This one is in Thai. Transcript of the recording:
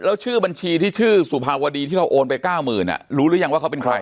แล้วชื่อบัญชีที่ชื่อสุภาวดีที่เราโอนไป๙๐๐รู้หรือยังว่าเขาเป็นใคร